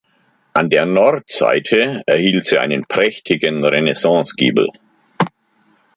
An der Nordseite erhielt sie einen prächtigen Renaissancegiebel.